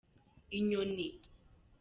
inyoni.